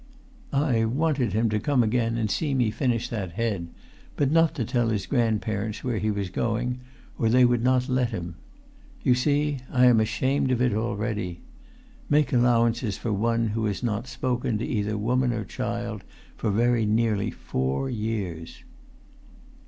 "I wanted him to come again to see me finish that head, but not to tell his grandparents where he was going, or they would not let him. You see, I am ashamed of it already! Make allowances for one who has not spoken to either woman or child for very nearly four years."